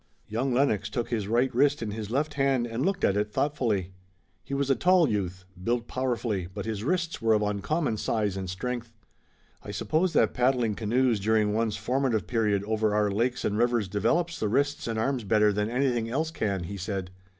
Young Lennox took his right wrist in his left hand and looked at it thoughtfully. He was a tall youth, built powerfully, but his wrists were of uncommon size and strength. "I suppose that paddling canoes during one's formative period over our lakes and rivers develops the wrists and arms better than anything else can," he said.